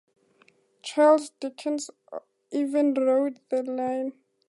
Charles Dickens even rode the line.